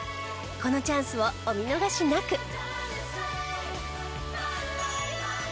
このチャンスをお見逃しなく！